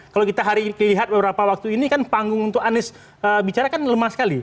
kalau kita hari lihat beberapa waktu ini kan panggung untuk anies bicara kan lemah sekali